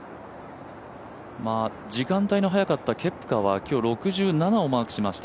時間帯の早かったケプカは今日６７をマークしました。